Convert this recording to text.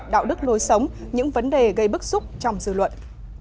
đạo đức lối sống những vấn đề gây bức xúc trong dư luận